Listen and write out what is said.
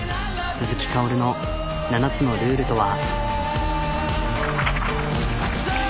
鈴木薫の７つのルールとは？